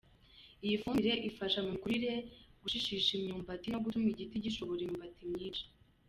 Iyi fumbire ifasha mu mikurire, gushishisha imyumbati no gutuma igiti gishora imyumbati myinshi.